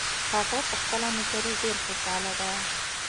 هغه په خپله نوکري ډېر خوشحاله ده